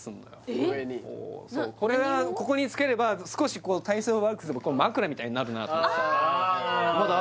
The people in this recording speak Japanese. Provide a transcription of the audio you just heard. こうそうこれがここにつければ少しこう体勢を悪くすれば枕みたいになるなと思ってあ